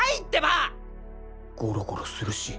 ゴロゴロするし